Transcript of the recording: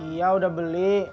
iya udah beli